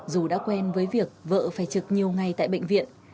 dù đã quen với việc vợ phải trực nhiều ngày tại bệnh viện